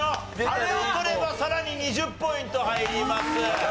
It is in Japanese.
あれを取ればさらに２０ポイント入ります。